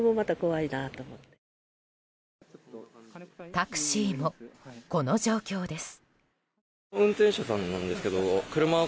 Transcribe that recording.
タクシーも、この状況です。